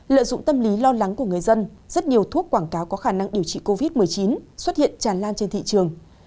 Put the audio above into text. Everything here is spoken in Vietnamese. lợi dụng tâm lý lo lắng của người dân rất nhiều thuốc quảng cáo có khả năng điều trị covid một mươi chín xuất hiện tràn lan trên thị trường